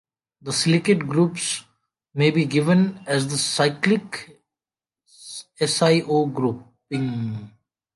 The silicate groups may be given as the cyclic SiO grouping.